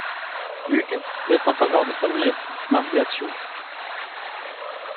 Hugues teste en faveur de sa nièce, Marie Athiaud.